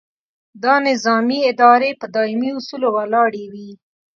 دا نظامي ادارې په دایمي اصولو ولاړې وي.